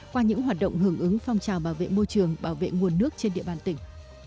qua những hoạt động hưởng ứng phong trào bảo vệ môi trường bảo vệ nguồn nước trên địa bàn tỉnh